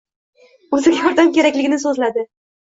o'ziga yordam kerakligini so'zladi.